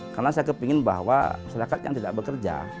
karena saya kepengen bahwa masyarakat yang tidak bekerja